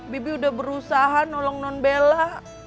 bibi udah berusaha nolong non bela